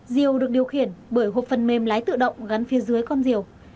diều được điều khiển bởi hộp phần mềm lái tự động gắn phía dưới con rìu